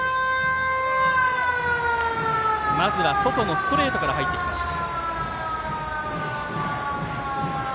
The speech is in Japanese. まずは、外のストレートから入っていきました。